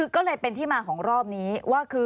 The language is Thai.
ก็เลยเป็นที่มาของรอบนี้ว่าคือ